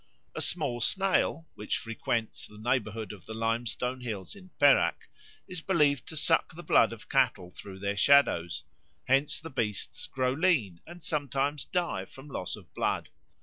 A small snail, which frequents the neighbourhood of the limestone hills in Perak, is believed to suck the blood of cattle through their shadows; hence the beasts grow lean and sometimes die from loss of blood.